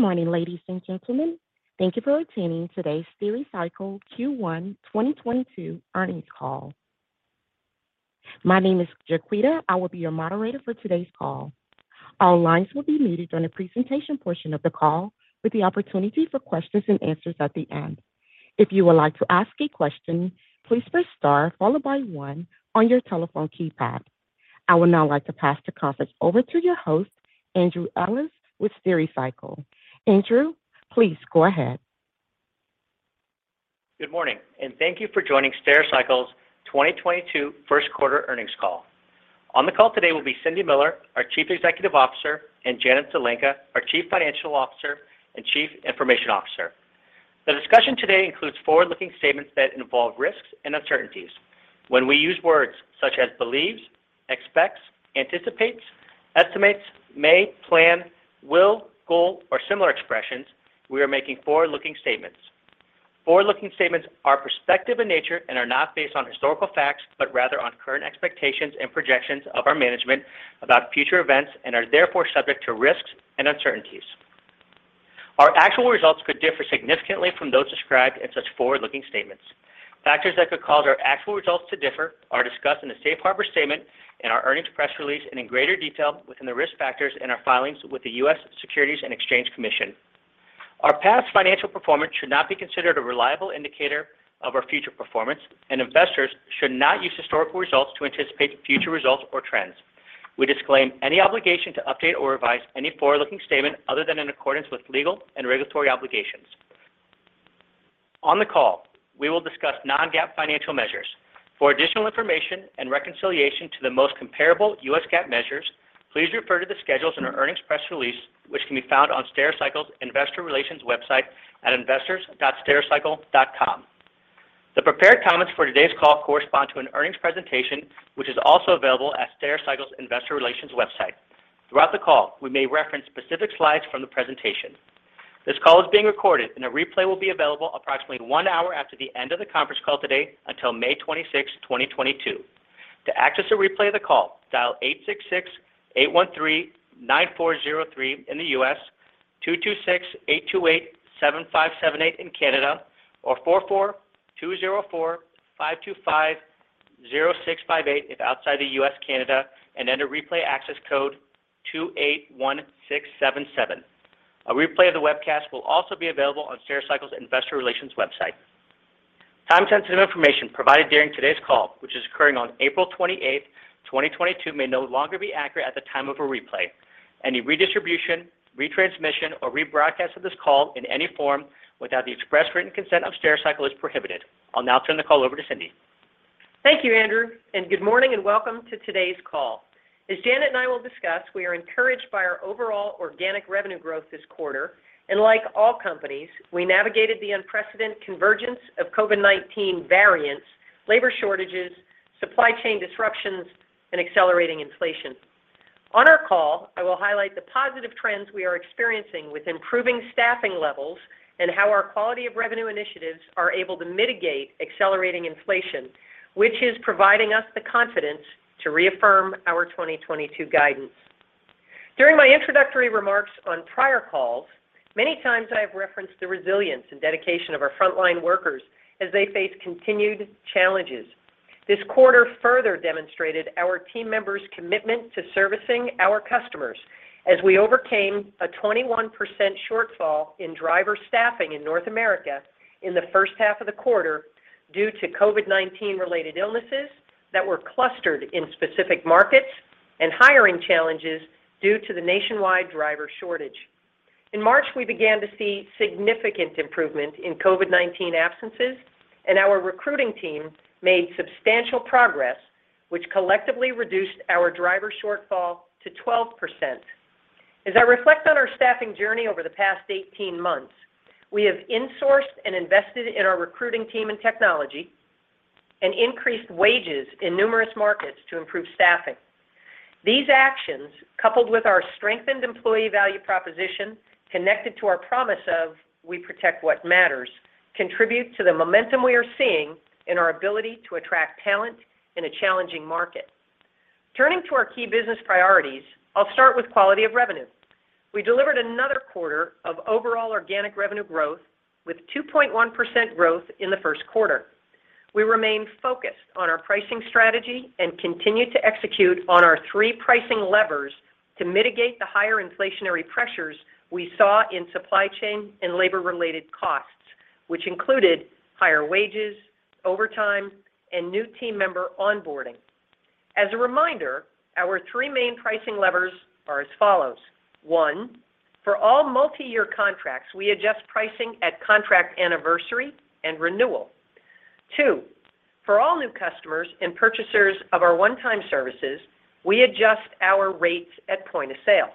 Good morning, ladies and gentlemen. Thank you for attending today's Stericycle Q1 2022 earnings call. My name is Jaquita. I will be your moderator for today's call. All lines will be muted during the presentation portion of the call with the opportunity for questions and answers at the end. If you would like to ask a question, please press star followed by one on your telephone keypad. I would now like to pass the conference over to your host, Andrew Ellis with Stericycle. Andrew, please go ahead. Good morning, and thank you for joining Stericycle's 2022 Q1 earnings call. On the call today will be Cindy Miller, our Chief Executive Officer, and Janet Zelenka, our Chief Financial Officer and Chief Information Officer. The discussion today includes forward-looking statements that involve risks and uncertainties. When we use words such as believes, expects, anticipates, estimates, may, plan, will, goal, or similar expressions, we are making forward-looking statements. Forward-looking statements are prospective in nature and are not based on historical facts, but rather on current expectations and projections of our management about future events and are therefore subject to risks and uncertainties. Our actual results could differ significantly from those described in such forward-looking statements. Factors that could cause our actual results to differ are discussed in the safe harbor statement in our earnings press release and in greater detail within the risk factors in our filings with the U.S. Securities and Exchange Commission. Our past financial performance should not be considered a reliable indicator of our future performance, and investors should not use historical results to anticipate future results or trends. We disclaim any obligation to update or revise any forward-looking statement other than in accordance with legal and regulatory obligations. On the call, we will discuss non-GAAP financial measures. For additional information and reconciliation to the most comparable U.S. GAAP measures, please refer to the schedules in our earnings press release, which can be found on Stericycle's Investor Relations website at investors.stericycle.com. The prepared comments for today's call correspond to an earnings presentation, which is also available at Stericycle's Investor Relations website. Throughout the call, we may reference specific slides from the presentation. This call is being recorded, and a replay will be available approximately one hour after the end of the conference call today until May 26, 2022. To access a replay of the call, dial 866-813-9403 in the U.S., 226-828-7578 in Canada, or 44-20-4525-0658 if outside the U.S., Canada, and enter replay access code 281677. A replay of the webcast will also be available on Stericycle's Investor Relations website. Time-sensitive information provided during today's call, which is occurring on April 28, 2022, may no longer be accurate at the time of a replay. Any redistribution, retransmission, or rebroadcast of this call in any form without the express written consent of Stericycle is prohibited. I'll now turn the call over to Cindy. Thank you, Andrew, and good morning and welcome to today's call. As Janet and I will discuss, we are encouraged by our overall organic revenue growth this quarter. Like all companies, we navigated the unprecedented convergence of COVID-19 variants, labor shortages, supply chain disruptions, and accelerating inflation. On our call, I will highlight the positive trends we are experiencing with improving staffing levels and how our quality of revenue initiatives are able to mitigate accelerating inflation, which is providing us the confidence to reaffirm our 2022 guidance. During my introductory remarks on prior calls, many times I have referenced the resilience and dedication of our frontline workers as they face continued challenges. This quarter further demonstrated our team members' commitment to servicing our customers as we overcame a 21% shortfall in driver staffing in North America in the H1 of the quarter due to COVID-19 related illnesses that were clustered in specific markets and hiring challenges due to the nationwide driver shortage. In March, we began to see significant improvement in COVID-19 absences, and our recruiting team made substantial progress, which collectively reduced our driver shortfall to 12%. As I reflect on our staffing journey over the past 18 months, we have insourced and invested in our recruiting team and technology and increased wages in numerous markets to improve staffing. These actions, coupled with our strengthened employee value proposition connected to our promise of we protect what matters, contribute to the momentum we are seeing in our ability to attract talent in a challenging market. Turning to our key business priorities, I'll start with quality of revenue. We delivered another quarter of overall organic revenue growth with 2.1% growth in the Q1. We remain focused on our pricing strategy and continue to execute on our three pricing levers to mitigate the higher inflationary pressures we saw in supply chain and labor-related costs, which included higher wages, overtime, and new team member onboarding. As a reminder, our three main pricing levers are as follows. One, for all multi-year contracts, we adjust pricing at contract anniversary and renewal. Two, for all new customers and purchasers of our one-time services, we adjust our rates at point of sale.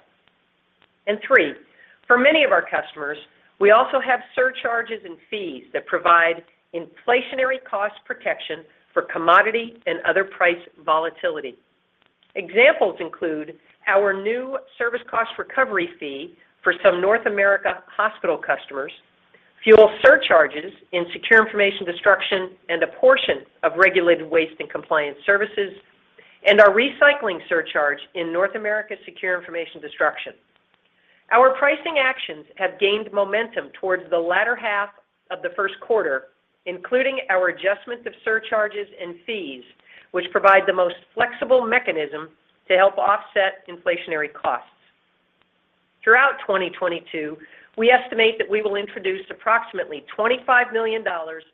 Three, for many of our customers, we also have surcharges and fees that provide inflationary cost protection for commodity and other price volatility. Examples include our new Service Cost Recovery Fee for some North American hospital customers, fuel surcharges in Secure Information Destruction, and a portion of Regulated Waste and Compliance Services. Our recycling recovery surcharge in North American Secure Information Destruction. Our pricing actions have gained momentum towards the latter half of the Q1, including our adjustment of surcharges and fees, which provide the most flexible mechanism to help offset inflationary costs. Throughout 2022, we estimate that we will introduce approximately $25 million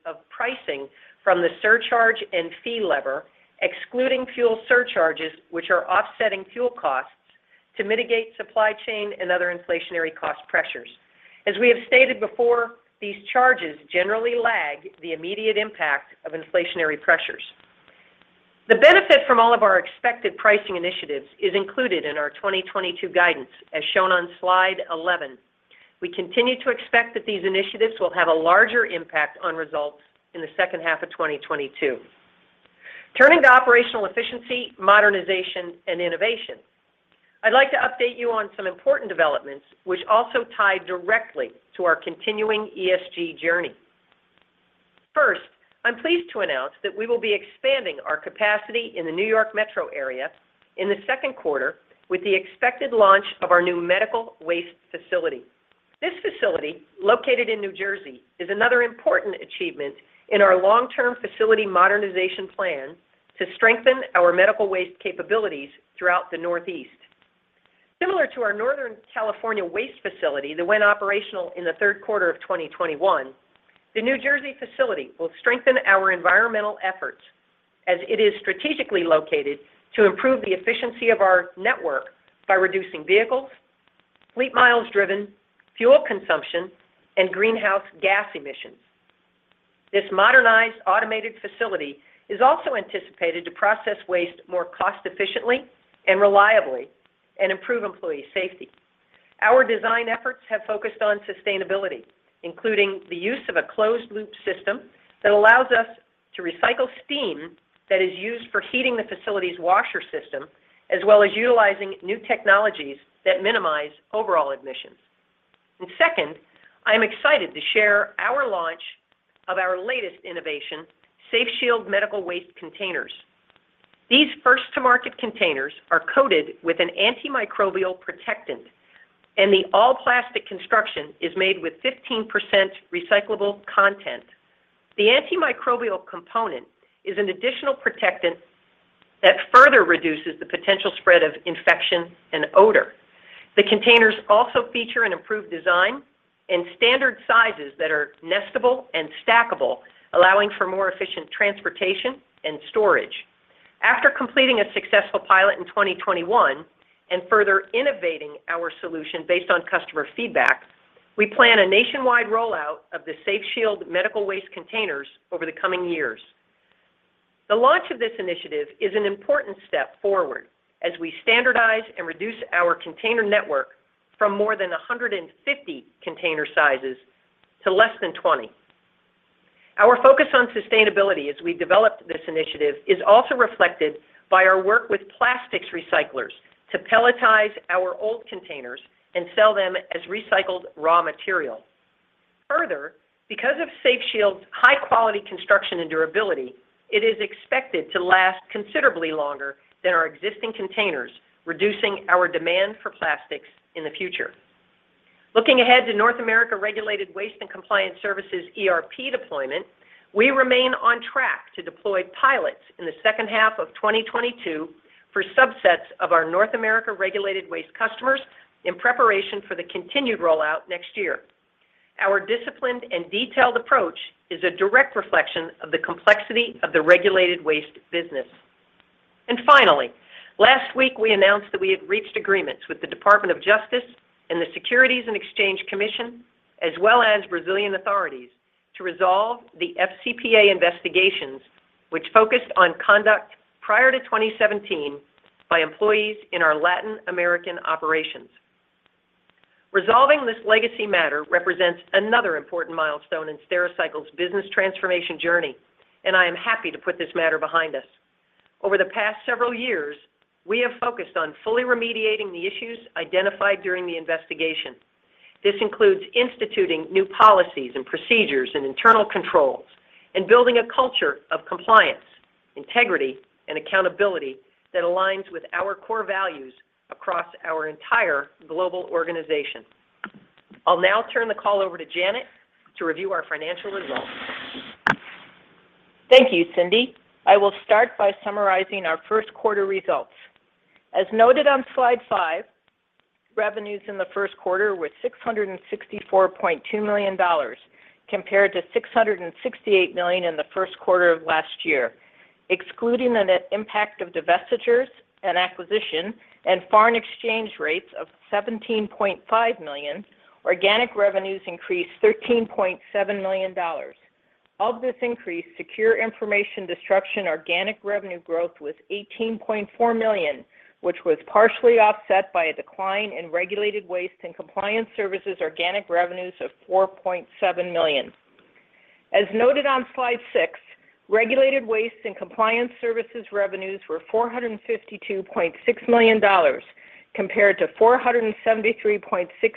of pricing from the surcharge and fee lever, excluding fuel surcharges, which are offsetting fuel costs to mitigate supply chain and other inflationary cost pressures. As we have stated before, these charges generally lag the immediate impact of inflationary pressures. The benefit from all of our expected pricing initiatives is included in our 2022 guidance, as shown on slide 11. We continue to expect that these initiatives will have a larger impact on results in the H2 of 2022. Turning to operational efficiency, modernization, and innovation. I'd like to update you on some important developments which also tie directly to our continuing ESG journey. First, I'm pleased to announce that we will be expanding our capacity in the New York metro area in the Q2 with the expected launch of our new medical waste facility. This facility, located in New Jersey, is another important achievement in our long-term facility modernization plan to strengthen our medical waste capabilities throughout the Northeast. Similar to our Northern California waste facility that went operational in the Q3 of 2021, the New Jersey facility will strengthen our environmental efforts as it is strategically located to improve the efficiency of our network by reducing vehicles, fleet miles driven, fuel consumption, and greenhouse gas emissions. This modernized, automated facility is also anticipated to process waste more cost efficiently and reliably and improve employee safety. Our design efforts have focused on sustainability, including the use of a closed loop system that allows us to recycle steam that is used for heating the facility's washer system, as well as utilizing new technologies that minimize overall emissions. Second, I am excited to share our launch of our latest innovation, SafeShield medical waste containers. These first-to-market containers are coated with an antimicrobial protectant, and the all-plastic construction is made with 15% recyclable content. The antimicrobial component is an additional protectant that further reduces the potential spread of infection and odor. The containers also feature an improved design and standard sizes that are nestable and stackable, allowing for more efficient transportation and storage. After completing a successful pilot in 2021 and further innovating our solution based on customer feedback, we plan a nationwide rollout of the SafeShield medical waste containers over the coming years. The launch of this initiative is an important step forward as we standardize and reduce our container network from more than 150 container sizes to less than 20. Our focus on sustainability as we developed this initiative is also reflected by our work with plastics recyclers to pelletize our old containers and sell them as recycled raw material. Further, because of SafeShield's high quality construction and durability, it is expected to last considerably longer than our existing containers, reducing our demand for plastics in the future. Looking ahead to North America Regulated Waste and Compliance Services ERP deployment, we remain on track to deploy pilots in the H2 of 2022 for subsets of our North America Regulated Waste customers in preparation for the continued rollout next year. Our disciplined and detailed approach is a direct reflection of the complexity of the regulated waste business. Finally, last week we announced that we had reached agreements with the Department of Justice and the Securities and Exchange Commission, as well as Brazilian authorities to resolve the FCPA investigations which focused on conduct prior to 2017 by employees in our Latin American operations. Resolving this legacy matter represents another important milestone in Stericycle's business transformation journey, and I am happy to put this matter behind us. Over the past several years, we have focused on fully remediating the issues identified during the investigation. This includes instituting new policies and procedures and internal controls and building a culture of compliance, integrity, and accountability that aligns with our core values across our entire global organization. I'll now turn the call over to Janet to review our financial results. Thank you, Cindy. I will start by summarizing our Q1 results. As noted on slide five, revenues in the Q1 were $664.2 million, compared to $668 million in the Q1 of last year. Excluding the net impact of divestitures and acquisition and foreign exchange rates of $17.5 million, organic revenues increased $13.7 million. Of this increase, Secure Information Destruction organic revenue growth was $18.4 million, which was partially offset by a decline in Regulated Waste and Compliance Services organic revenues of $4.7 million. As noted on slide six, Regulated Waste and Compliance Services revenues were $452.6 million. Compared to $473.6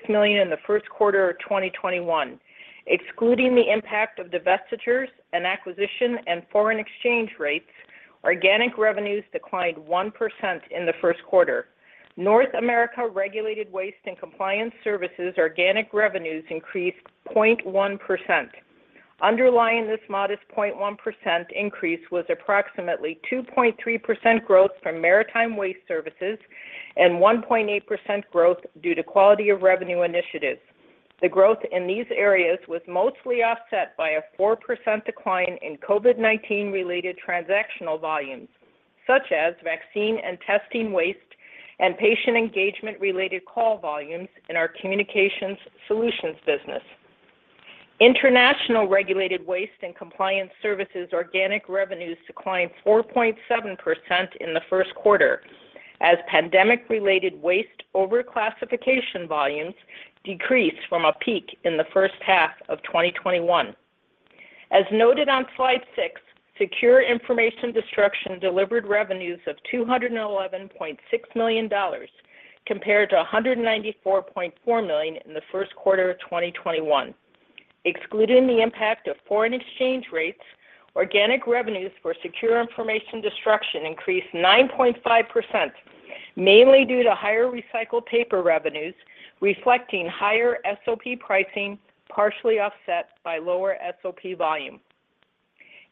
million in the Q1 of 2021. Excluding the impact of divestitures and acquisitions and foreign exchange rates, organic revenues declined 1% in the Q1. North America Regulated Waste and Compliance Services organic revenues increased 0.1%. Underlying this modest 0.1% increase was approximately 2.3% growth from maritime waste services and 1.8% growth due to quality of revenue initiatives. The growth in these areas was mostly offset by a 4% decline in COVID-19 related transactional volumes, such as vaccine and testing waste and patient engagement related call volumes in our Communication Solutions business. International Regulated Waste and Compliance Services organic revenues declined 4.7% in the Q1 as pandemic-related waste overclassification volumes decreased from a peak in the H1 of 2021. As noted on slide six, Secure Information Destruction delivered revenues of $211.6 million compared to $194.4 million in the Q1 of 2021. Excluding the impact of foreign exchange rates, organic revenues for Secure Information Destruction increased 9.5%, mainly due to higher recycled paper revenues, reflecting higher SOP pricing, partially offset by lower SOP volume.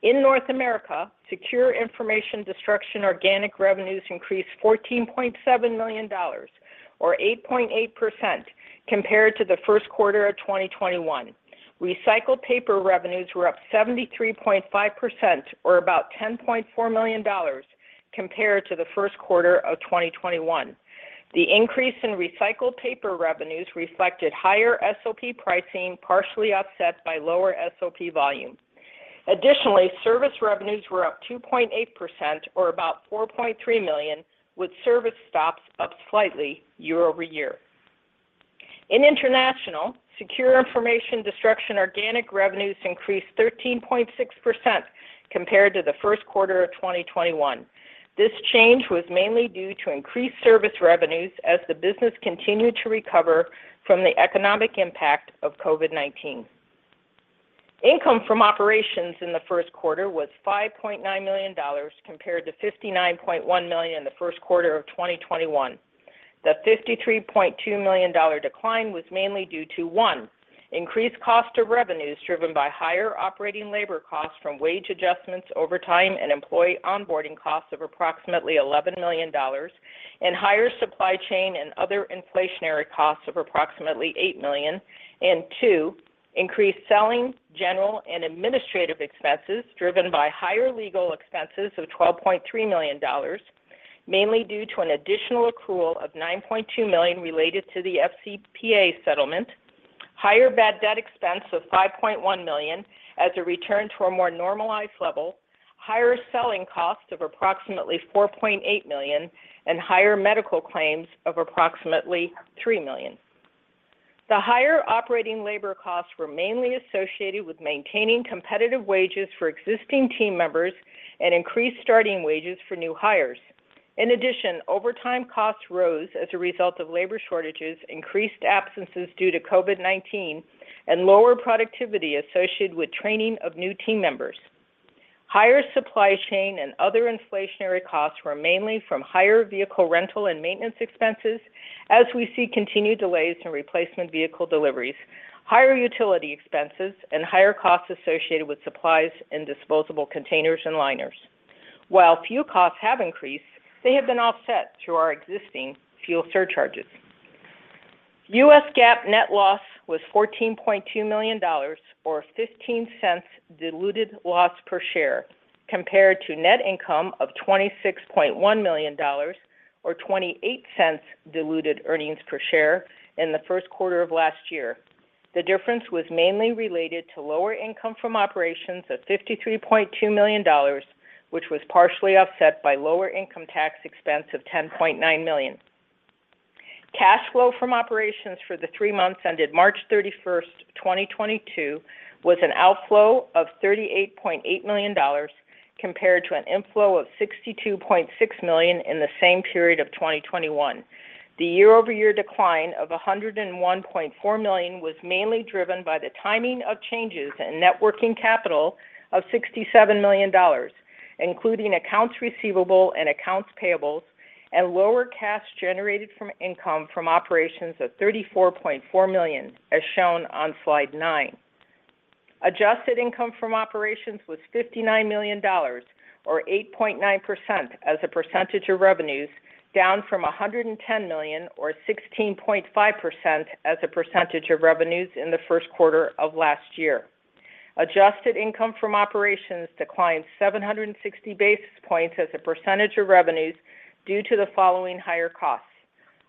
In North America, Secure Information Destruction organic revenues increased $14.7 million or 8.8% compared to the Q1 of 2021. Recycled paper revenues were up 73.5% or about $10.4 million compared to the Q1 of 2021. The increase in recycled paper revenues reflected higher SOP pricing, partially offset by lower SOP volume. Additionally, service revenues were up 2.8% or about $4.3 million, with service stops up slightly year-over-year. In international, Secure Information Destruction organic revenues increased 13.6% compared to the Q1 of 2021. This change was mainly due to increased service revenues as the business continued to recover from the economic impact of COVID-19. Income from operations in the Q1 was $5.9 million compared to $59.1 million in the Q1 of 2021. The $53.2 million dollar decline was mainly due to, one, increased cost of revenues driven by higher operating labor costs from wage adjustments over time and employee onboarding costs of approximately $11 million and higher supply chain and other inflationary costs of approximately $8 million. Two, increased selling, general, and administrative expenses driven by higher legal expenses of $12.3 million, mainly due to an additional accrual of $9.2 million related to the FCPA settlement. Higher bad debt expense of $5.1 million as a return to a more normalized level, higher selling costs of approximately $4.8 million, and higher medical claims of approximately $3 million. The higher operating labor costs were mainly associated with maintaining competitive wages for existing team members and increased starting wages for new hires. In addition, overtime costs rose as a result of labor shortages, increased absences due to COVID-19, and lower productivity associated with training of new team members. Higher supply chain and other inflationary costs were mainly from higher vehicle rental and maintenance expenses as we see continued delays in replacement vehicle deliveries, higher utility expenses, and higher costs associated with supplies and disposable containers and liners. While few costs have increased, they have been offset through our existing fuel surcharges. US GAAP net loss was $14.2 million or $0.15 diluted loss per share, compared to net income of $26.1 million or $0.28 diluted earnings per share in the Q1 of last year. The difference was mainly related to lower income from operations of $53.2 million, which was partially offset by lower income tax expense of $10.9 million. Cash flow from operations for the three months ended March 31st, 2022 was an outflow of $38.8 million compared to an inflow of $62.6 million in the same period of 2021. The year-over-year decline of $101.4 million was mainly driven by the timing of changes in net working capital of $67 million, including accounts receivable and accounts payables, and lower cash generated from income from operations of $34.4 million, as shown on slide nine. Adjusted income from operations was $59 million or 8.9% as a percentage of revenues, down from $110 million or 16.5% as a percentage of revenues in the Q1 of last year. Adjusted income from operations declined 760 basis points as a percentage of revenues due to the following higher costs: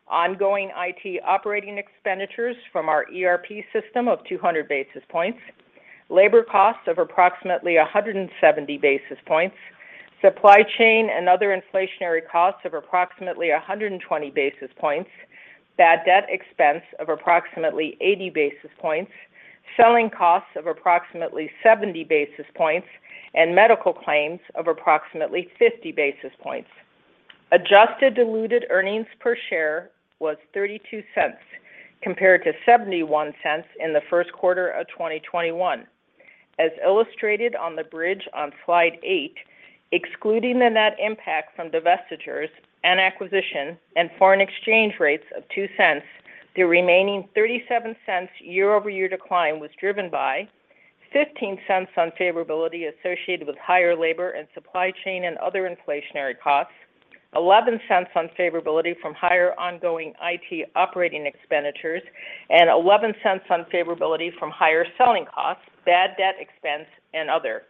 ongoing IT operating expenditures from our ERP system of 200 basis points, labor costs of approximately 170 basis points, supply chain and other inflationary costs of approximately 120 basis points. Bad debt expense of approximately 80 basis points, selling costs of approximately 70 basis points, and medical claims of approximately 50 basis points. Adjusted diluted earnings per share was $0.32 compared to $0.71 in the Q1 of 2021. As illustrated on the bridge on slide eight, excluding the net impact from divestitures and acquisition and foreign exchange rates of $0.02, the remaining $0.37 year-over-year decline was driven by $0.15 unfavorability associated with higher labor and supply chain and other inflationary costs, $0.11 unfavorability from higher ongoing IT operating expenditures, and $0.11 unfavorability from higher selling costs, bad debt expense, and other.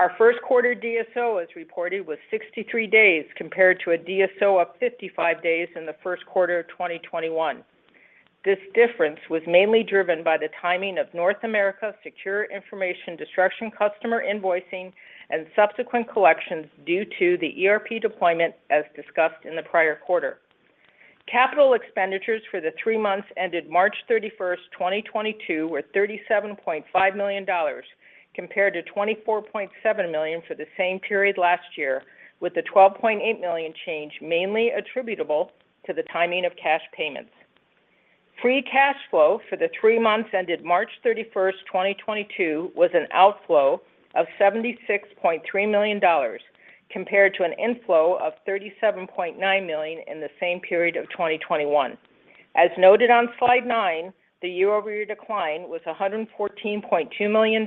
Our Q1 DSO, as reported, was 63 days compared to a DSO of 55 days in the Q1 of 2021. This difference was mainly driven by the timing of North America Secure Information Destruction customer invoicing and subsequent collections due to the ERP deployment, as discussed in the prior quarter. Capital expenditures for the three months ended March 31st, 2022 were $37.5 million compared to $24.7 million for the same period last year, with the $12.8 million change mainly attributable to the timing of cash payments. Free cash flow for the three months ended March 31st, 2022 was an outflow of $76.3 million compared to an inflow of $37.9 million in the same period of 2021. As noted on slide nine, the year-over-year decline was $114.2 million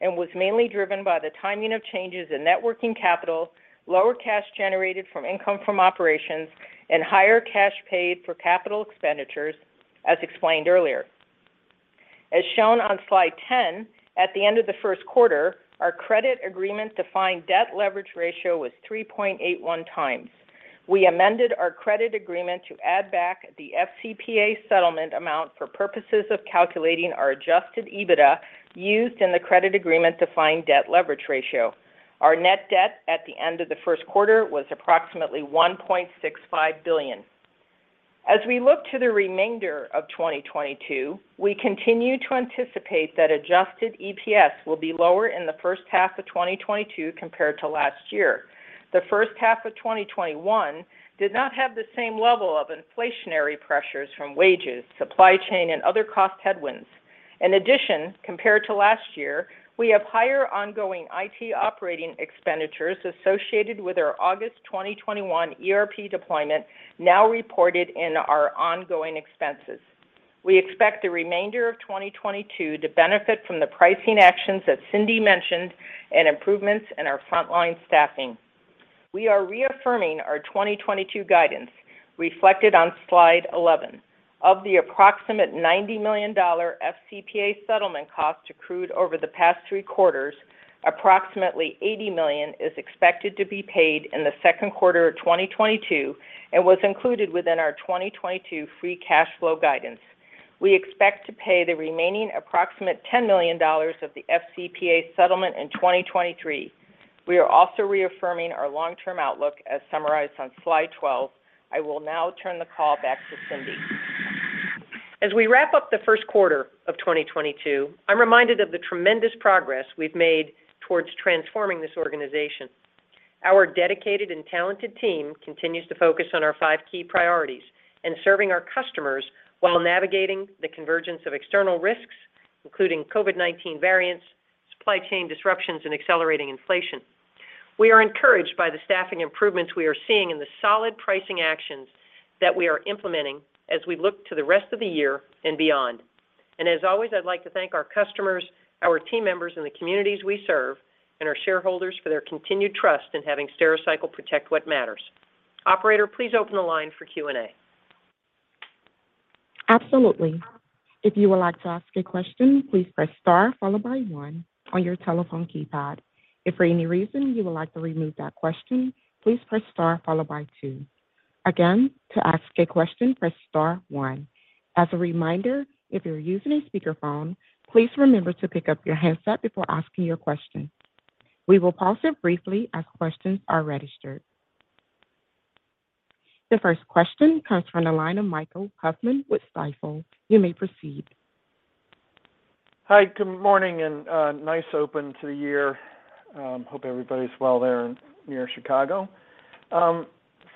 and was mainly driven by the timing of changes in net working capital, lower cash generated from income from operations, and higher cash paid for capital expenditures, as explained earlier. As shown on slide 10, at the end of the Q1, our credit agreement defined debt leverage ratio was 3.81x. We amended our credit agreement to add back the FCPA settlement amount for purposes of calculating our adjusted EBITDA used in the credit agreement defined debt leverage ratio. Our net debt at the end of the Q1 was approximately $1.65 billion. As we look to the remainder of 2022, we continue to anticipate that adjusted EPS will be lower in the H1 of 2022 compared to last year. The H1 of 2021 did not have the same level of inflationary pressures from wages, supply chain, and other cost headwinds. In addition, compared to last year, we have higher ongoing IT operating expenditures associated with our August 2021 ERP deployment now reported in our ongoing expenses. We expect the remainder of 2022 to benefit from the pricing actions that Cindy mentioned and improvements in our frontline staffing. We are reaffirming our 2022 guidance reflected on slide 11. Of the approximate $90 million FCPA settlement cost accrued over the past three quarters, approximately $80 million is expected to be paid in the Q2 of 2022 and was included within our 2022 free cash flow guidance. We expect to pay the remaining approximate $10 million of the FCPA settlement in 2023. We are also reaffirming our long-term outlook as summarized on slide 12. I will now turn the call back to Cindy. As we wrap up the Q1 of 2022, I'm reminded of the tremendous progress we've made towards transforming this organization. Our dedicated and talented team continues to focus on our five key priorities and serving our customers while navigating the convergence of external risks, including COVID-19 variants, supply chain disruptions, and accelerating inflation. We are encouraged by the staffing improvements we are seeing and the solid pricing actions that we are implementing as we look to the rest of the year and beyond. As always, I'd like to thank our customers, our team members in the communities we serve, and our shareholders for their continued trust in having Stericycle protect what matters. Operator, please open the line for Q&A. Absolutely. If you would like to ask a question, please press star followed by one on your telephone keypad. If for any reason you would like to remove that question, please press star followed by two. Again, to ask a question, press star one. As a reminder, if you're using a speakerphone, please remember to pick up your handset before asking your question. We will pause here briefly as questions are registered. The first question comes from the line of Michael Hoffman with Stifel. You may proceed. Hi, good morning, and nice open to the year. Hope everybody's well there near Chicago.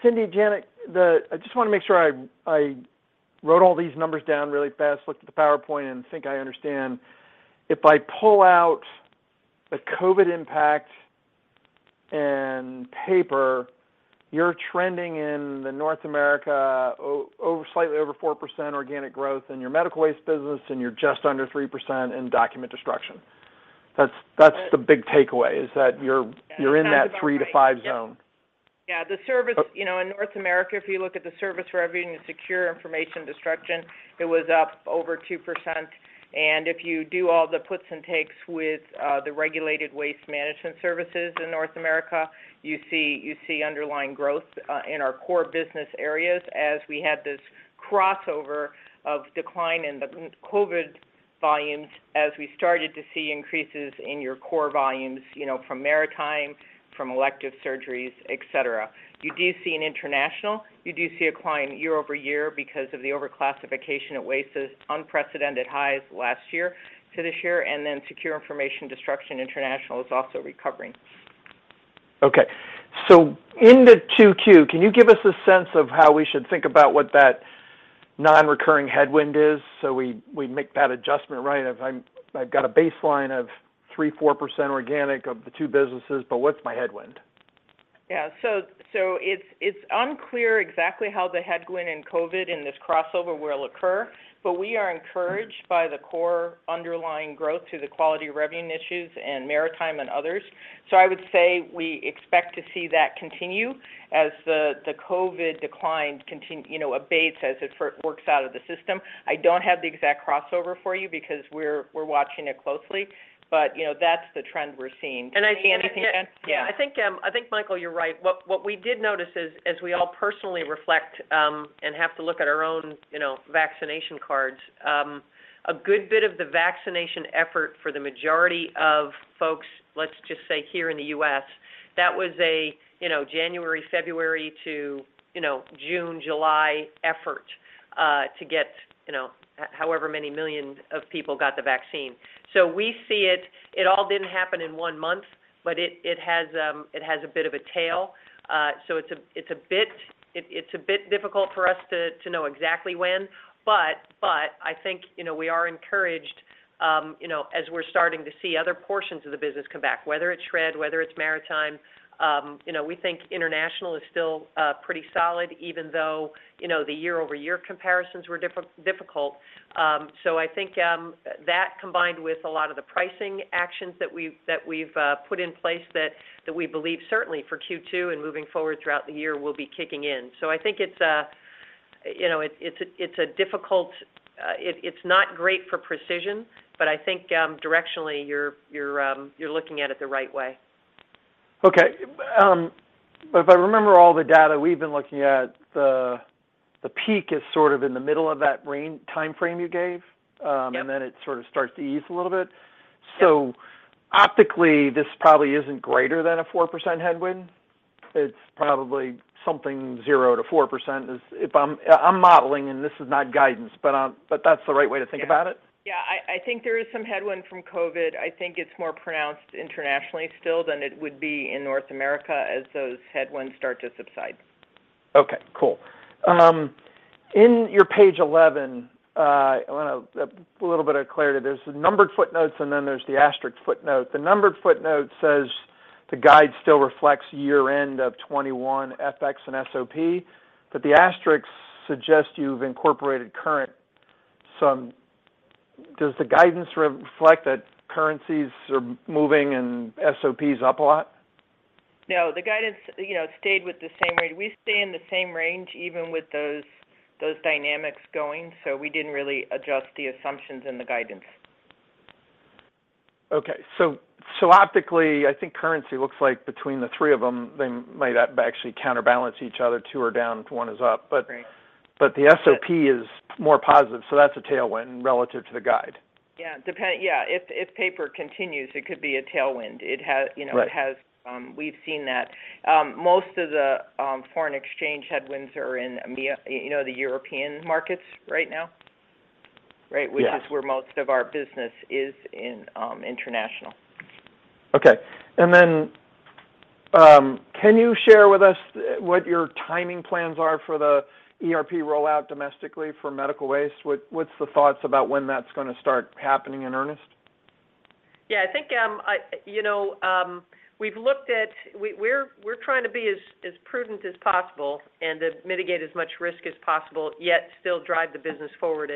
Cindy, Janet, I just wanna make sure I wrote all these numbers down really fast, looked at the PowerPoint, and think I understand. If I pull out the COVID impact and paper, you're trending in the North America, slightly over 4% organic growth in your medical waste business, and you're just under 3% in document destruction. That's the big takeaway is that you're in that 3%-5% zone. Yeah. The service, you know, in North America, if you look at the service revenue and Secure Information Destruction, it was up over 2%. If you do all the puts and takes with the regulated waste management services in North America, you see underlying growth in our core business areas as we had this crossover of decline in the COVID volumes as we started to see increases in your core volumes, you know, from maritime, from elective surgeries, et cetera. You do see in International a decline year-over-year because of the overclassification of waste's unprecedented highs last year to this year, and then Secure Information Destruction International is also recovering. Okay. In the 2Q, can you give us a sense of how we should think about what that non-recurring headwind is? We make that adjustment, right? If I've got a baseline of 3%-4% organic of the two businesses, but what's my headwind? Yeah. It's unclear exactly how the headwind and COVID in this crossover will occur, but we are encouraged by the core underlying growth through the quality revenue initiatives and maritime and others. I would say we expect to see that continue as the COVID declines, you know, abates as it works out of the system. I don't have the exact crossover for you because we're watching it closely. You know, that's the trend we're seeing. I think. Anything to add? Yeah. I think, Michael, you're right. What we did notice is, as we all personally reflect, and have to look at our own, you know, vaccination cards, a good bit of the vaccination effort for the majority of folks, let's just say here in the U.S., that was a you know January, February to you know June, July effort to get you know however many millions of people got the vaccine. We see it. It all didn't happen in one month, but it has a bit of a tail. It's a bit difficult for us to know exactly when, but I think, you know, we are encouraged, you know, as we're starting to see other portions of the business come back, whether it's shred, whether it's maritime, you know, we think international is still pretty solid, even though, you know, the year-over-year comparisons were difficult. I think that combined with a lot of the pricing actions that we've put in place that we believe certainly for Q2 and moving forward throughout the year will be kicking in. I think it's, you know, a difficult. It's not great for precision, but I think directionally, you're looking at it the right way. Okay. If I remember all the data we've been looking at, the peak is sort of in the middle of that range timeframe you gave. Yep. It sort of starts to ease a little bit. Yep. Optically, this probably isn't greater than a 4% headwind. It's probably something 0%-4%. If I'm modeling, and this is not guidance, but that's the right way to think about it? Yeah. I think there is some headwind from COVID. I think it's more pronounced internationally still than it would be in North America as those headwinds start to subside. Okay, cool. In your page 11, I want a little bit of clarity. There's the numbered footnotes and then there's the asterisked footnote. The numbered footnote says the guide still reflects year-end of 2021 FX and SOP, but the asterisks suggest you've incorporated current FX and SOP. Does the guidance re-reflect that currencies are moving and SOP's up a lot? No. The guidance, you know, stayed with the same rate. We stay in the same range even with those dynamics going, so we didn't really adjust the assumptions in the guidance. Okay. Optically, I think currency looks like, between the three of them, they might actually counterbalance each other. Two are down, one is up. Right The SOP is more positive, so that's a tailwind relative to the guide. Yeah, if paper continues, it could be a tailwind. It has, you know- Right It has. We've seen that most of the foreign exchange headwinds are in, you know, the European markets right now, right? Yeah. Which is where most of our business is in, international. Okay. Can you share with us what your timing plans are for the ERP rollout domestically for medical waste? What's the thoughts about when that's gonna start happening in earnest? Yeah, I think, you know, we're trying to be as prudent as possible and to mitigate as much risk as possible, yet still drive the business forward.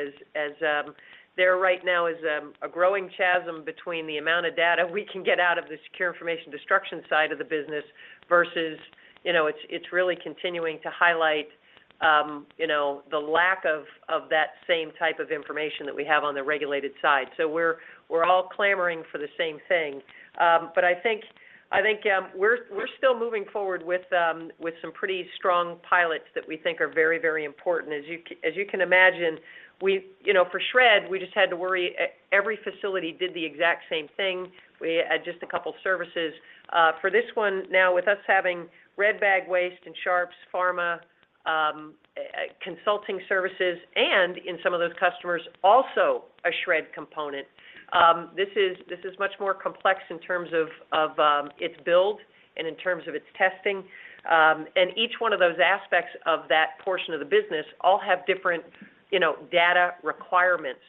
There right now is a growing chasm between the amount of data we can get out of the Secure Information Destruction side of the business versus, you know, it's really continuing to highlight, you know, the lack of that same type of information that we have on the regulated side. So we're all clamoring for the same thing. But I think, we're still moving forward with some pretty strong pilots that we think are very important. As you can imagine, we. You know, for shred, we just had to worry every facility did the exact same thing. We had just a couple services. For this one now, with us having red bag waste and sharps, pharma, consulting services, and in some of those customers also a shred component, this is much more complex in terms of its build and in terms of its testing. Each one of those aspects of that portion of the business all have different, you know, data requirements.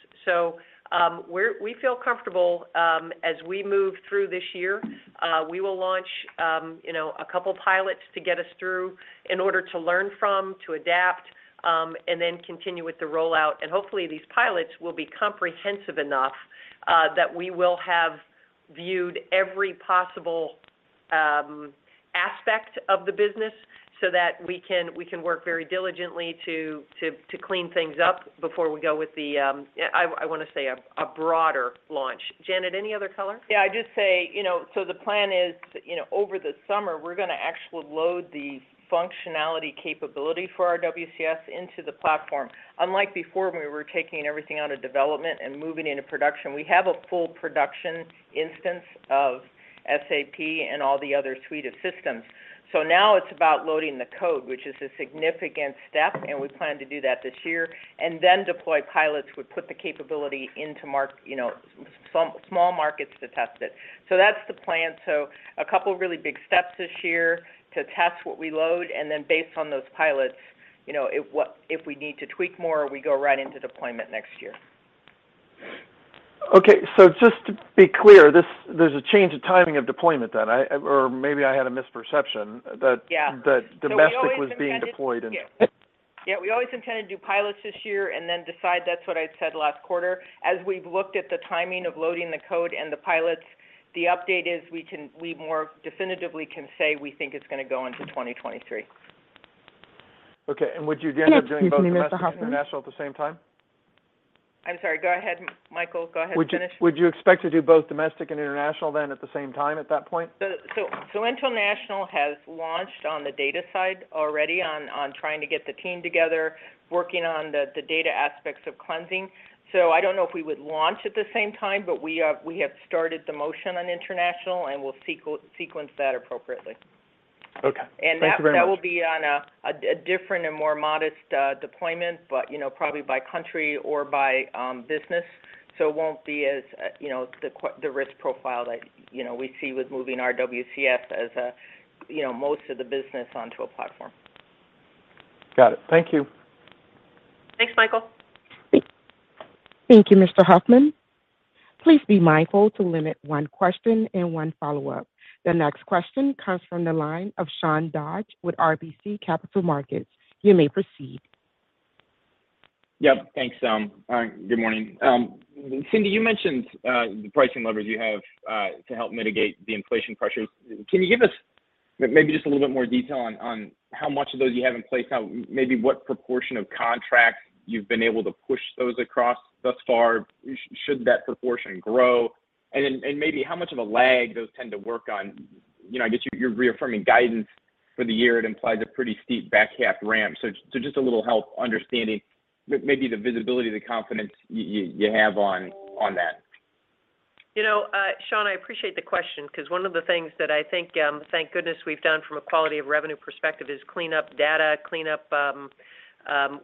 We feel comfortable as we move through this year, we will launch, you know, a couple pilots to get us through in order to learn from, to adapt, and then continue with the rollout. Hopefully, these pilots will be comprehensive enough that we will have viewed every possible aspect of the business so that we can work very diligently to clean things up before we go with the I wanna say a broader launch. Janet, any other color? Yeah, I'd just say, you know, the plan is, you know, over the summer, we're gonna actually load the functionality capability for our RWCS into the platform. Unlike before, when we were taking everything out of development and moving it into production, we have a full production instance of SAP and all the other suite of systems. Now it's about loading the code, which is a significant step, and we plan to do that this year, and then deploy pilots would put the capability into small markets to test it. That's the plan. A couple of really big steps this year to test what we load, and then based on those pilots, you know, if we need to tweak more, we go right into deployment next year. Okay. Just to be clear, there's a change of timing of deployment then? I or maybe I had a misperception that. Yeah. That domestic was being deployed in. Yeah. We always intended to do pilots this year and then decide. That's what I said last quarter. As we've looked at the timing of loading the code and the pilots, the update is we more definitively can say we think it's gonna go into 2023. Okay. Would you end up doing both domestic and international at the same time? I'm sorry. Go ahead, Michael. Go ahead and finish. Would you expect to do both domestic and international then at the same time at that point? International has launched on the data side already on trying to get the team together, working on the data aspects of cleansing. I don't know if we would launch at the same time, but we have started the motion on international, and we'll sequence that appropriately. Okay. Thank you very much. That will be on a different and more modest deployment, but you know, probably by country or by business. It won't be as, you know, the risk profile that you know, we see with moving our WCF as you know, most of the business onto a platform. Got it. Thank you. Thanks, Michael. Thank you, Mr. Hoffman. Please be mindful to limit one question and one follow-up. The next question comes from the line of Sean Dodge with RBC Capital Markets. You may proceed. Yep. Thanks. All right. Good morning. Cindy, you mentioned the pricing levers you have to help mitigate the inflation pressures. Can you give us maybe just a little bit more detail on how much of those you have in place now, maybe what proportion of contracts you've been able to push those across thus far? Should that proportion grow? Maybe how much of a lag those tend to work on? You know, I guess you're reaffirming guidance for the year. It implies a pretty steep back half ramp. Just a little help understanding maybe the visibility, the confidence you have on that. You know, Sean, I appreciate the question 'cause one of the things that I think, thank goodness we've done from a quality of revenue perspective is clean up data, clean up.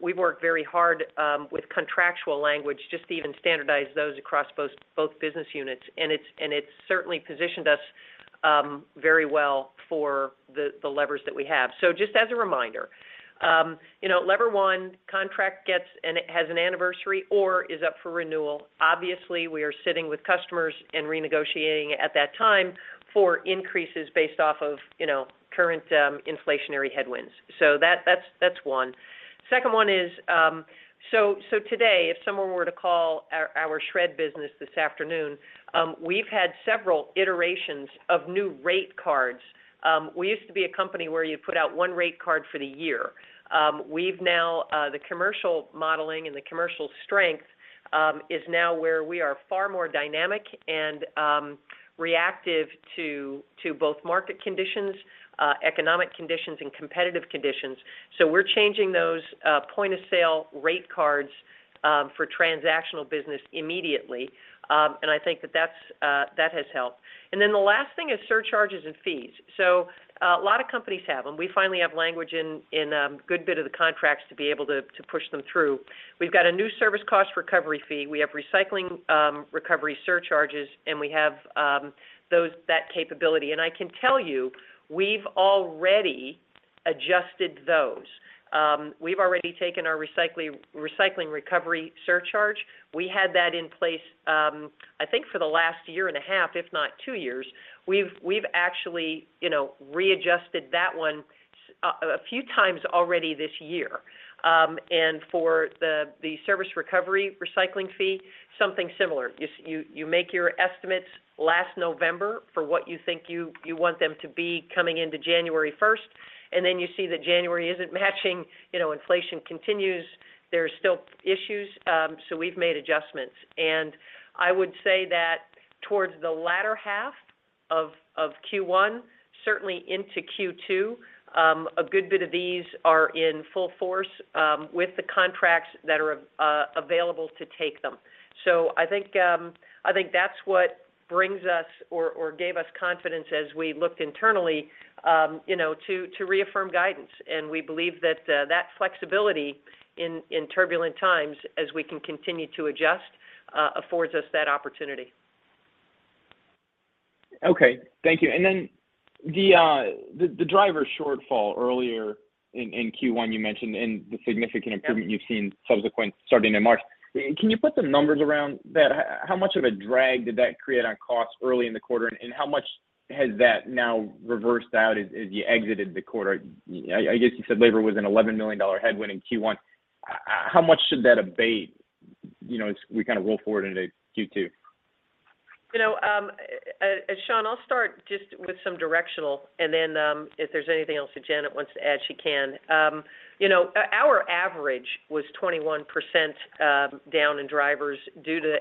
We've worked very hard with contractual language just to even standardize those across both business units. It's certainly positioned us very well for the levers that we have. Just as a reminder, you know, lever one contract gets and it has an anniversary or is up for renewal. Obviously, we are sitting with customers and renegotiating at that time for increases based off of, you know, current inflationary headwinds. That's one. Second one is today, if someone were to call our shred business this afternoon, we've had several iterations of new rate cards. We used to be a company where you put out one rate card for the year. We've now the commercial modeling and the commercial strength is now where we are far more dynamic and reactive to both market conditions, economic conditions, and competitive conditions. We're changing those point of sale rate cards for transactional business immediately. I think that that has helped. Then the last thing is surcharges and fees. A lot of companies have them. We finally have language in good bit of the contracts to be able to push them through. We've got a new Service Cost Recovery Fee. We have recycling recovery surcharges, and we have that capability. I can tell you, we've already adjusted those. We've already taken our recycling recovery surcharge. We had that in place, I think for the last year and a half, if not two years. We've actually, you know, readjusted that one a few times already this year. For the Service Cost Recovery Fee, something similar. You make your estimates last November for what you think you want them to be coming into January first, and then you see that January isn't matching, you know, inflation continues, there's still issues, so we've made adjustments. I would say that towards the latter half of Q1, certainly into Q2, a good bit of these are in full force with the contracts that are available to take them. I think that's what gave us confidence as we looked internally, you know, to reaffirm guidance. We believe that that flexibility in turbulent times, as we can continue to adjust, affords us that opportunity. Okay. Thank you. Then the driver shortfall earlier in Q1 you mentioned, and the significant improvement you've seen subsequent starting in March, can you put some numbers around that? How much of a drag did that create on costs early in the quarter, and how much has that now reversed out as you exited the quarter? I guess you said labor was a $11 million headwind in Q1. How much should that abate, you know, as we kind of roll forward into Q2? You know, Sean, I'll start just with some directional, and then, if there's anything else that Janet wants to add, she can. You know, our average was 21% down in drivers due to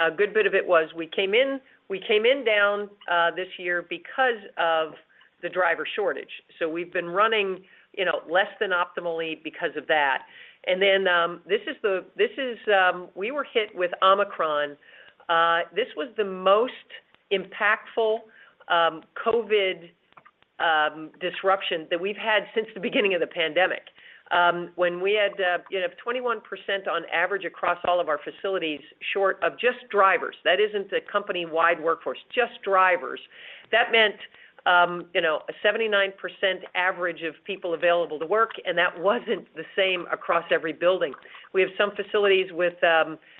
a good bit of it was we came in down this year because of the driver shortage. We've been running, you know, less than optimally because of that. This is. We were hit with Omicron. This was the most impactful COVID disruption that we've had since the beginning of the pandemic. When we had, you know, 21% on average across all of our facilities short of just drivers, that isn't the company-wide workforce, just drivers. That meant, you know, a 79% average of people available to work, and that wasn't the same across every building. We have some facilities with,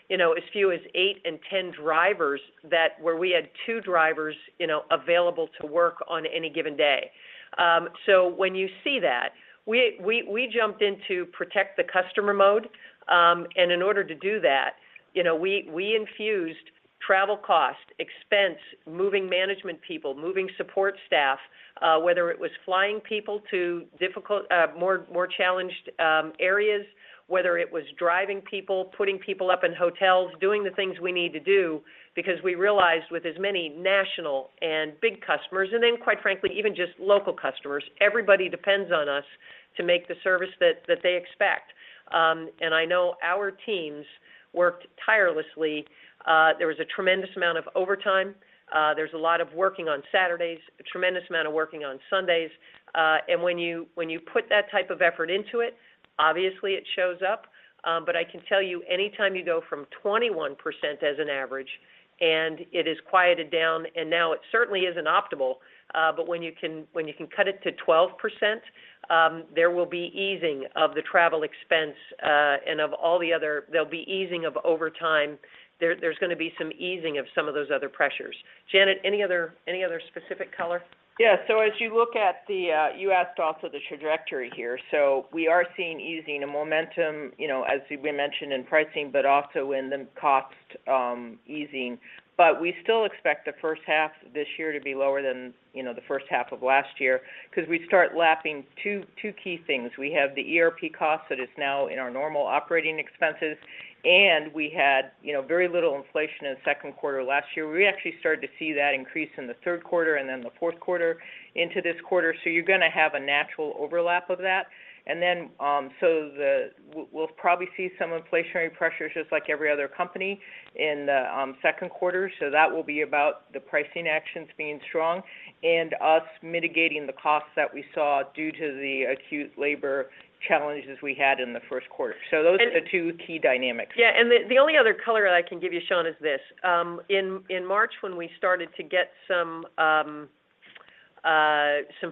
you know, as few as eight and 10 drivers that, where we had two drivers, you know, available to work on any given day. When you see that, we jumped into protect the customer mode. In order to do that, you know, we infused travel cost, expense, moving management people, moving support staff, whether it was flying people to more challenged areas, whether it was driving people, putting people up in hotels, doing the things we need to do because we realized with as many national and big customers, and then quite frankly, even just local customers, everybody depends on us to make the service that they expect. I know our teams worked tirelessly. There was a tremendous amount of overtime. There's a lot of working on Saturdays, a tremendous amount of working on Sundays. When you put that type of effort into it, obviously it shows up. I can tell you anytime you go from 21% as an average and it has quieted down, and now it certainly isn't optimal, but when you can cut it to 12%, there will be easing of the travel expense, and of all the other, there'll be easing of overtime. There's gonna be some easing of some of those other pressures. Janet, any other specific color? Yeah. You also asked the trajectory here. We are seeing easing and momentum, you know, as we mentioned in pricing, but also in the cost easing. We still expect the H1 this year to be lower than, you know, the H1 of last year because we start lapping two key things. We have the ERP cost that is now in our normal operating expenses, and we had, you know, very little inflation in the Q2 last year. We actually started to see that increase in the Q3 and then the Q4 into this quarter. You're gonna have a natural overlap of that. We'll probably see some inflationary pressures just like every other company in the Q2. That will be about the pricing actions being strong and us mitigating the costs that we saw due to the acute labor challenges we had in the Q1. Those are the two key dynamics. Yeah. The only other color I can give you, Sean, is this. In March when we started to get some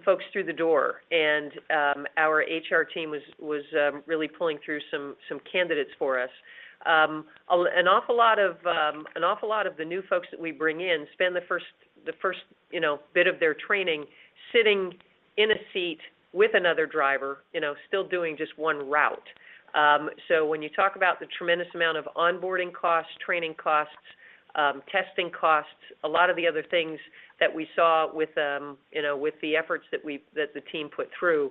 folks through the door and our HR team was really pulling through some candidates for us. An awful lot of the new folks that we bring in spend the first, you know, bit of their training sitting in a seat with another driver, you know, still doing just one route. When you talk about the tremendous amount of onboarding costs, training costs, testing costs, a lot of the other things that we saw with, you know, with the efforts that the team put through,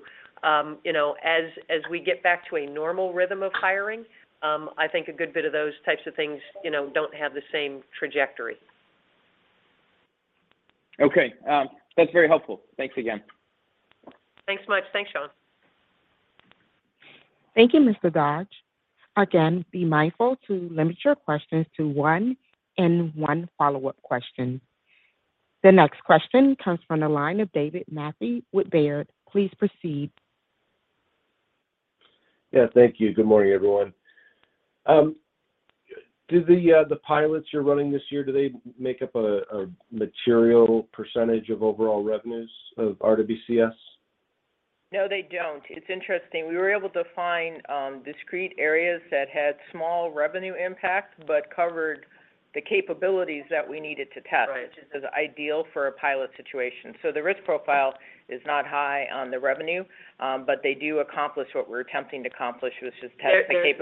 you know, as we get back to a normal rhythm of hiring, I think a good bit of those types of things, you know, don't have the same trajectory. Okay. That's very helpful. Thanks again. Thanks much. Thanks, Sean. Thank you, Mr. Dodge. Again, be mindful to limit your questions to one and one follow-up question. The next question comes from the line of David Manthey with Baird. Please proceed. Yeah, thank you. Good morning, everyone. Do the pilots you're running this year make up a material percentage of overall revenues of RWCS? No, they don't. It's interesting. We were able to find discrete areas that had small revenue impact but covered the capabilities that we needed to test. Right. Which is ideal for a pilot situation. The risk profile is not high on the revenue, but they do accomplish what we're attempting to accomplish, which is testing capability.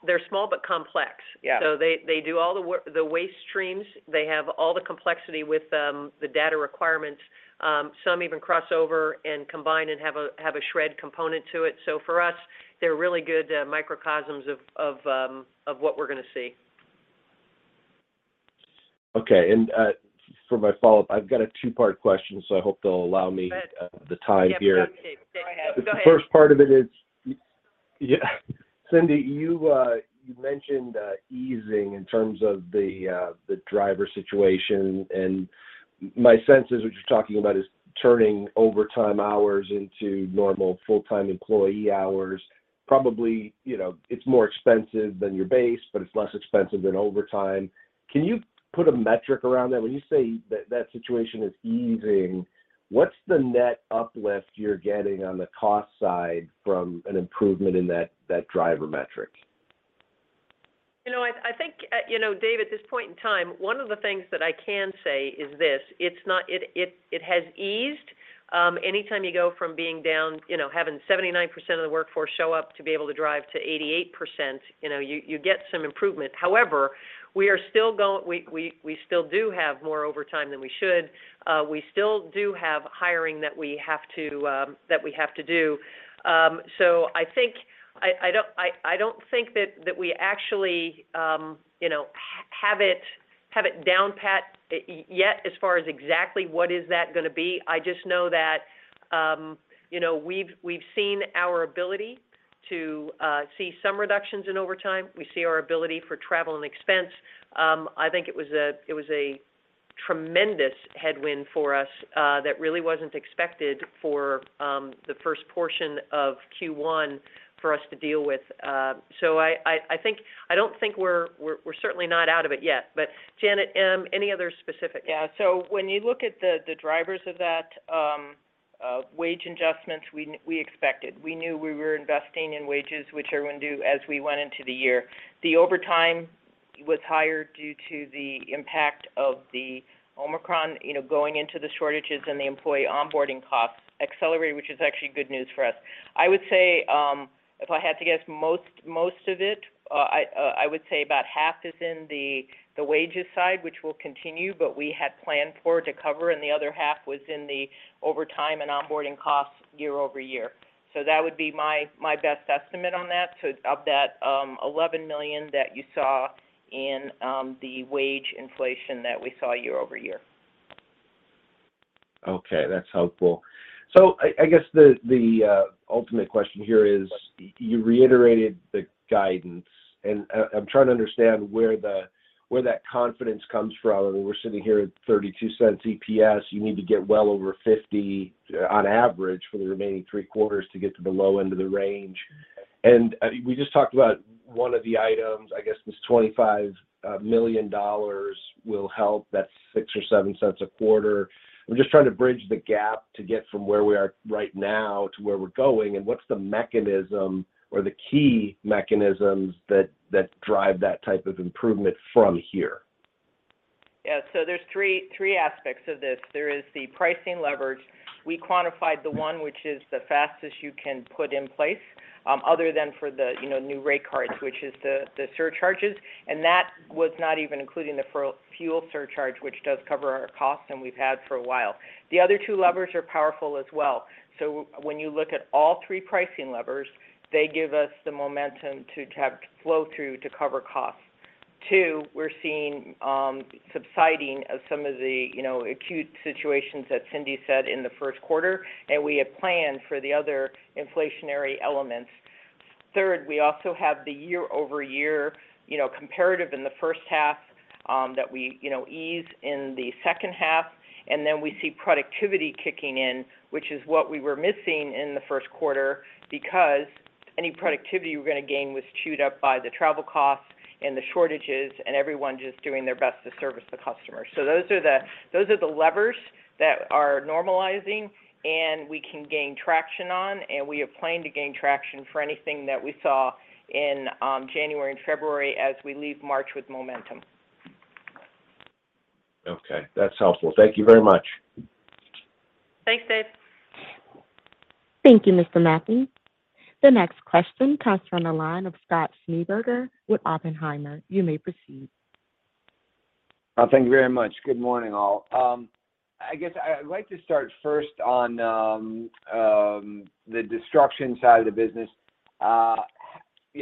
They're small but complex. Yeah. They do all the waste streams. They have all the complexity with the data requirements. Some even cross over and combine and have a shred component to it. For us, they're really good microcosms of what we're gonna see. Okay. For my follow-up, I've got a two-part question, so I hope they'll allow me. Go ahead. the time here. Yeah, go ahead, Dave. Go ahead. The first part of it is, yeah, Cindy, you mentioned easing in terms of the driver situation, and my sense is what you're talking about is turning overtime hours into normal full-time employee hours. Probably, you know, it's more expensive than your base, but it's less expensive than overtime. Can you put a metric around that? When you say that situation is easing, what's the net uplift you're getting on the cost side from an improvement in that driver metric? You know, I think, you know, Dave, at this point in time, one of the things that I can say is this: It has eased. Anytime you go from being down, you know, having 79% of the workforce show up to be able to drive to 88%, you know, you get some improvement. However, we still do have more overtime than we should. We still do have hiring that we have to do. I don't think that we actually, you know, have it down pat yet as far as exactly what is that gonna be. I just know that, you know, we've seen our ability to see some reductions in overtime. We see our ability to travel and expense. I think it was a tremendous headwind for us that really wasn't expected for the first portion of Q1 for us to deal with. I don't think we're certainly not out of it yet. Janet, any other specifics? Yeah. When you look at the drivers of that, wage adjustments we expected. We knew we were investing in wages, which everyone do as we went into the year. The overtime was higher due to the impact of the Omicron, you know, going into the shortages, and the employee onboarding costs accelerated, which is actually good news for us. I would say, if I had to guess, most of it, I would say about half is in the wages side, which will continue, but we had planned for to cover, and the other half was in the overtime and onboarding costs year-over-year. That would be my best estimate on that of that $11 million that you saw in the wage inflation that we saw year-over-year. Okay, that's helpful. I guess the ultimate question here is you reiterated the guidance, and I'm trying to understand where that confidence comes from. I mean, we're sitting here at $0.32 EPS. You need to get well over 50 on average for the remaining three quarters to get to the low end of the range. I mean, we just talked about one of the items, I guess this $25 million will help. That's $0.06 or $0.07 a quarter. I'm just trying to bridge the gap to get from where we are right now to where we're going, and what's the mechanism or the key mechanisms that drive that type of improvement from here? Yeah. There's three aspects of this. There is the pricing leverage. We quantified the one which is the fastest you can put in place, other than for the, you know, new rate cards, which is the surcharges. That was not even including the fuel surcharge, which does cover our costs, and we've had for a while. The other two levers are powerful as well. When you look at all three pricing levers, they give us the momentum to have flow through to cover costs. Two, we're seeing, subsiding of some of the, you know, acute situations that Cindy said in the Q1, and we have planned for the other inflationary elements. Third, we also have the year-over-year, you know, comparative in the H1, that we, you know, ease in the H2. We see productivity kicking in, which is what we were missing in the Q1 because any productivity we're gonna gain was chewed up by the travel costs and the shortages and everyone just doing their best to service the customer. Those are the levers that are normalizing and we can gain traction on, and we have planned to gain traction for anything that we saw in January and February as we leave March with momentum. Okay. That's helpful. Thank you very much. Thanks, Dave. Thank you, Mr. Leach. The next question comes from the line of Scott Schneeberger with Oppenheimer. You may proceed. Thank you very much. Good morning, all. I guess I'd like to start first on the destruction side of the business. Yeah,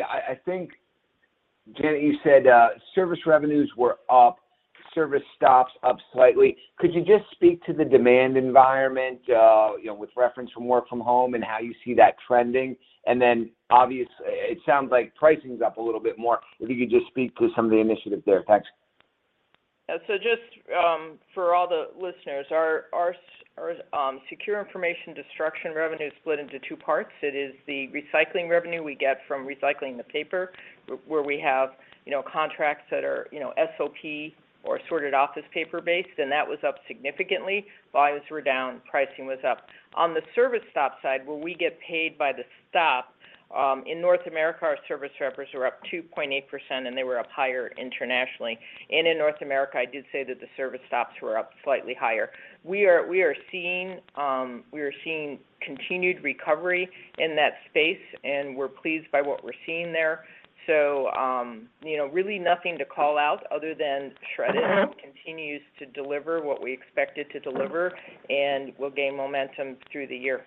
I think, Janet, you said service revenues were up, service stops up slightly. Could you just speak to the demand environment, you know, with reference to work from home and how you see that trending? It sounds like pricing's up a little bit more. If you could just speak to some of the initiatives there. Thanks. Yeah. Just for all the listeners, our secure information destruction revenue is split into two parts. It is the recycling revenue we get from recycling the paper where we have, you know, contracts that are, you know, SOP or Sorted Office Paper-based, and that was up significantly. Volumes were down, pricing was up. On the service stop side, where we get paid by the stop, in North America, our service revenues were up 2.8%, and they were up higher internationally. In North America, I did say that the service stops were up slightly higher. We are seeing continued recovery in that space, and we're pleased by what we're seeing there. you know, really nothing to call out other than shredding continues to deliver what we expect it to deliver, and we'll gain momentum through the year.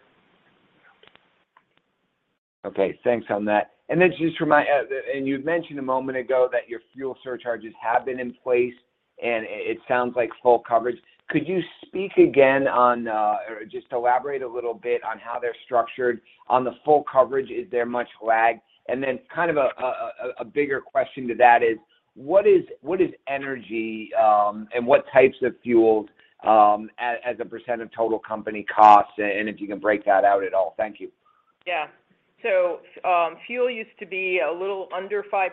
Okay. Thanks on that. You'd mentioned a moment ago that your fuel surcharges have been in place, and it sounds like full coverage. Could you speak again on, or just elaborate a little bit on how they're structured? On the full coverage, is there much lag? Then kind of a bigger question to that is, what is energy, and what types of fuels, as a percent of total company costs? And if you can break that out at all. Thank you. Yeah. Fuel used to be a little under 5%,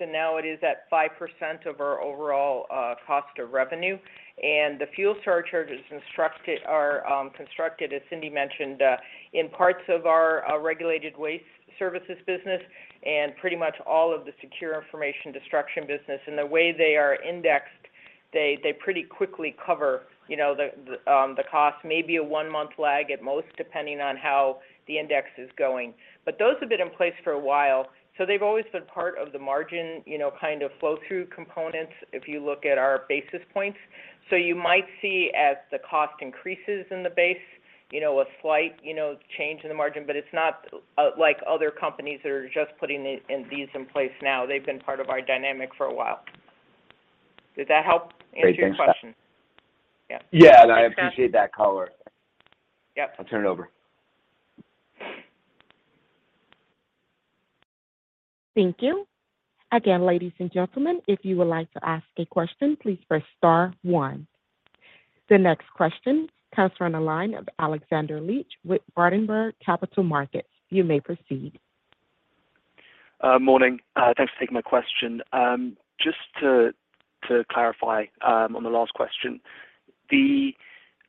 and now it is at 5% of our overall cost of revenue. The fuel surcharges are constructed, as Cindy mentioned, in parts of our regulated waste services business and pretty much all of the secure information destruction business. The way they are indexed, they pretty quickly cover, you know, the cost, maybe a one-month lag at most, depending on how the index is going. Those have been in place for a while, so they've always been part of the margin, you know, kind of flow through components if you look at our basis points. You might see as the cost increases in the base, you know, a slight, you know, change in the margin, but it's not like other companies that are just putting these in place now. They've been part of our dynamic for a while. Did that help answer your question? Great. Thanks. Yeah. Yeah. I appreciate that color. Yep. I'll turn it over. Thank you. Again, ladies and gentlemen, if you would like to ask a question, please press star one. The next question comes from the line of Alexander Leach with Berenberg Capital Markets. You may proceed. Morning. Thanks for taking my question. Just to clarify, on the last question, the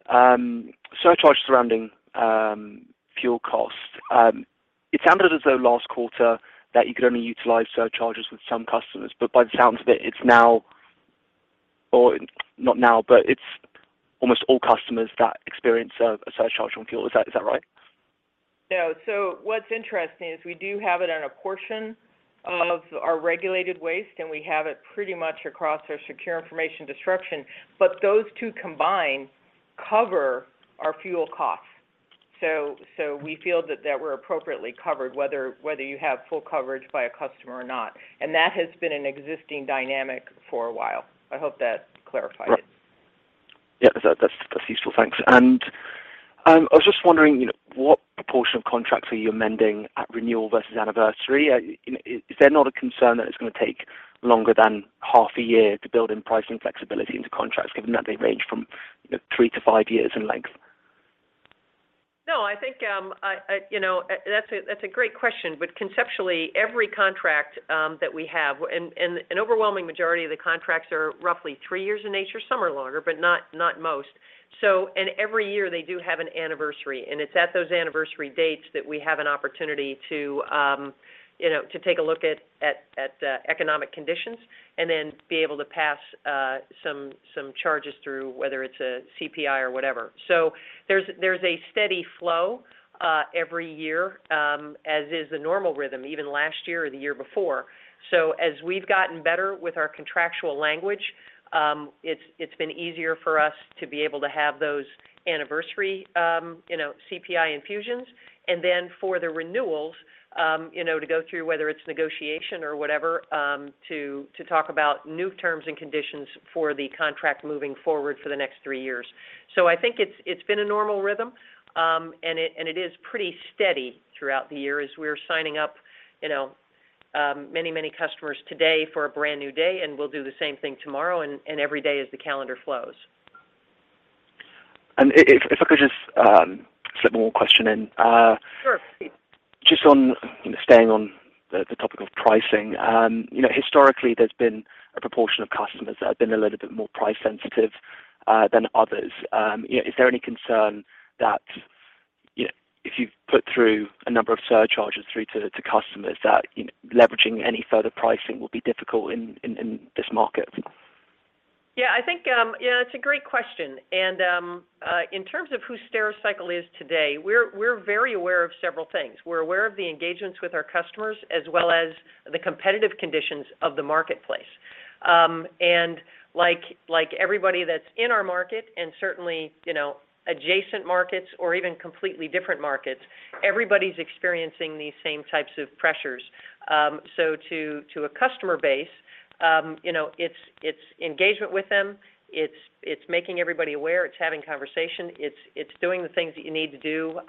surcharge surrounding fuel costs. It sounded as though last quarter that you could only utilize surcharges with some customers, but by the sounds of it's now or not now, but it's almost all customers that experience a surcharge on fuel. Is that right? No. What's interesting is we do have it on a portion of our Regulated Waste, and we have it pretty much across our Secure Information Destruction, but those two combined cover our fuel costs. We feel that we're appropriately covered, whether you have full coverage by a customer or not. That has been an existing dynamic for a while. I hope that clarified it. Right. Yeah. That's useful. Thanks. I was just wondering, you know, what proportion of contracts are you amending at renewal versus anniversary? You know, is there not a concern that it's gonna take longer than half a year to build in pricing flexibility into contracts, given that they range from, you know, three-five years in length? No, I think. You know, that's a great question. Conceptually, every contract that we have, and an overwhelming majority of the contracts are roughly three years in nature, some are longer, but not most. Every year they do have an anniversary, and it's at those anniversary dates that we have an opportunity to you know to take a look at economic conditions and then be able to pass some charges through, whether it's a CPI or whatever. There's a steady flow every year, as is the normal rhythm, even last year or the year before. As we've gotten better with our contractual language, it's been easier for us to be able to have those anniversary, you know, CPI infusions and then for the renewals, you know, to go through, whether it's negotiation or whatever, to talk about new terms and conditions for the contract moving forward for the next three years. I think it's been a normal rhythm, and it is pretty steady throughout the year as we're signing up, you know, many customers today for a brand new day, and we'll do the same thing tomorrow and every day as the calendar flows. If I could just slip one more question in. Sure. Just on, you know, staying on the topic of pricing, you know, historically there's been a proportion of customers that have been a little bit more price sensitive than others. You know, is there any concern that, you know, if you put through a number of surcharges through to customers that, you know, leveraging any further pricing will be difficult in this market? Yeah, I think. Yeah, it's a great question. In terms of who Stericycle is today, we're very aware of several things. We're aware of the engagements with our customers as well as the competitive conditions of the marketplace. Like everybody that's in our market and certainly, you know, adjacent markets or even completely different markets, everybody's experiencing these same types of pressures. So to a customer base, you know, it's engagement with them. It's making everybody aware. It's having conversation. It's doing the things that you need to do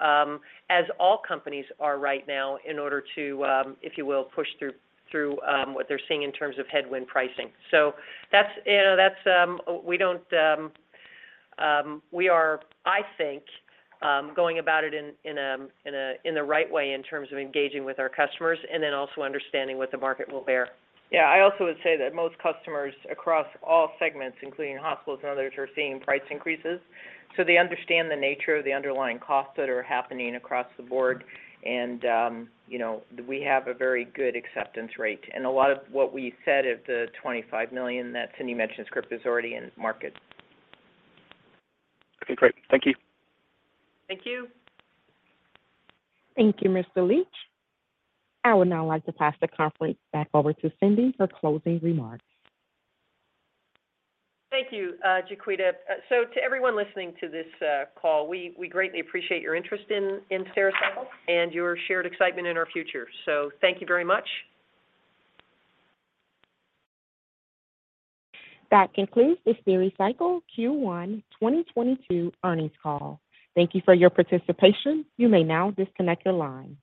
as all companies are right now in order to, if you will, push through what they're seeing in terms of headwind pricing. So that's, you know. We don't. We are, I think, going about it in the right way in terms of engaging with our customers and then also understanding what the market will bear. Yeah. I also would say that most customers across all segments, including hospitals and others, are seeing price increases, so they understand the nature of the underlying costs that are happening across the board. You know, we have a very good acceptance rate. A lot of what we said, of the $25 million that Cindy mentioned in script, is already in market. Okay. Great. Thank you. Thank you. Thank you, Mr. Leach. I would now like to pass the conference back over to Cindy for closing remarks. Thank you, Jaquita. To everyone listening to this call, we greatly appreciate your interest in Stericycle and your shared excitement in our future. Thank you very much. That concludes the Stericycle Q1 2022 earnings call. Thank you for your participation. You may now disconnect your line.